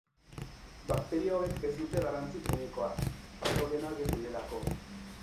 Bakterio hauek ez dute garrantzi klinikoa, patogenoak ez direlako.